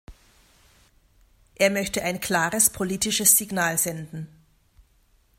Er möchte ein klares politisches Signal senden.